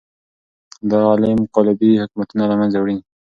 دا علم قالبي حکمونه له منځه وړي.